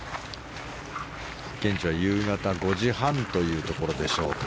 現地は夕方５時半というところでしょうか。